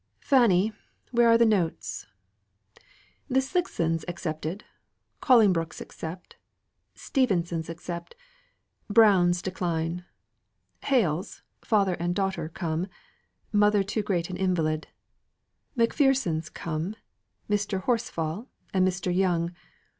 "Fanny, where are the notes? The Slicksons accept, Collingbrooks accept, Stephenses accept, Browns decline. Hales father and daughter come mother too great an invalid Macphersons come, and Mr. Horsfall, and Mr. Young.